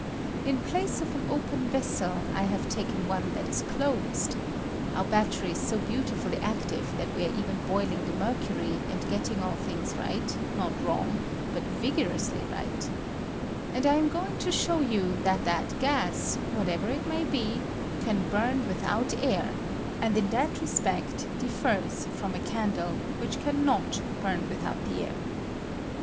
In place of an open vessel, I have taken one that is closed (our battery is bo beautifully active that we are even boiling the mercury, and getting all things right — not J I ^^ the ByNTUESIS OF WATER. 103 wrong, but vigorously right) ; and I am going to show you that that gas, whatever it may be, can burn without air, and in that respect dif fers from a candle, which can not bm n with out the air.